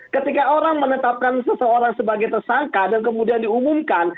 ketika orang menetapkan seseorang sebagai tersangka dan kemudian diumumkan